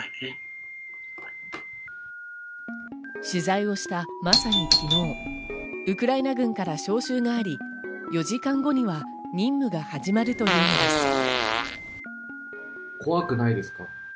取材をしたまさに昨日、ウクライナ軍から召集があり、４時間後には任務が始まるというのです。